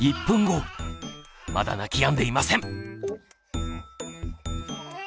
まだ泣きやんでいません！